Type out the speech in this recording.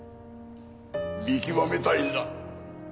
見極めたいんだ。